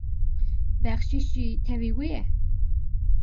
Bexşîş jî tevî wê ye?